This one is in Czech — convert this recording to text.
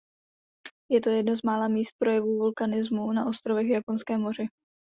Je to jedno z mála míst projevů vulkanismu na ostrovech v Japonském moři.